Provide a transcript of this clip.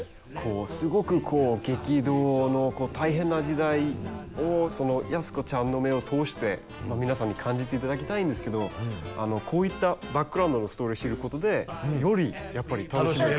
すごくこう激動の大変な時代を安子ちゃんの目を通して皆さんに感じていただきたいんですけどこういったバックグラウンドのストーリー知ることでよりやっぱり楽しめる。